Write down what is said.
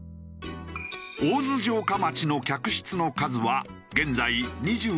大洲城下町の客室の数は現在２８室。